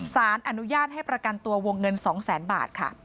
สารอนุญาตให้ประกันตัววงเงิน๒๐๐๐๐๐บาท